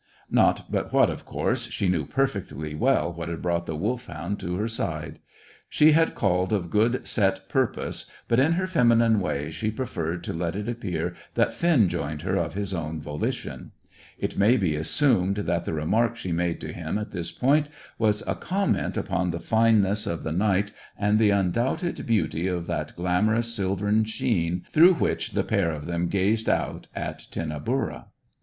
Not but what, of course, she knew perfectly well what had brought the Wolfhound to her side. She had called of good set purpose, but, in her feminine way, she preferred to let it appear that Finn joined her of his own volition. It may be assumed that the remark she made to him at this point was a comment upon the fineness of the night and the undoubted beauty of that glamorous silvern sheen through which the pair of them gazed out at Tinnaburra.